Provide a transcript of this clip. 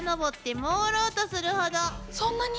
そんなに？